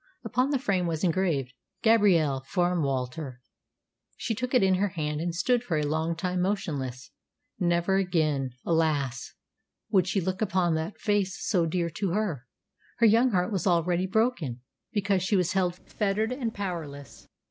Upon the frame was engraved, "Gabrielle, from Walter." She took it in her hand, and stood for a long time motionless. Never again, alas! would she look upon that face so dear to her. Her young heart was already broken, because she was held fettered and powerless.